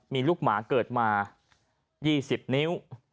มีลูกหมาเกิดมา๒๐นิ้ว